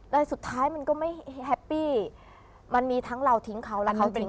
สุดท้ายมันก็ไม่แฮปปี้มันมีทั้งเราทิ้งเขาและเขาทิ้ง